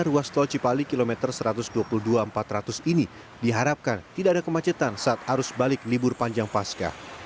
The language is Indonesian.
ruas tol cipali kilometer satu ratus dua puluh dua empat ratus ini diharapkan tidak ada kemacetan saat arus balik libur panjang pasca